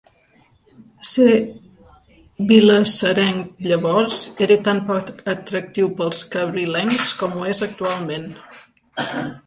Ser vilassarenc llavors era tan poc atractiu per als cabrilencs com ho és actualment.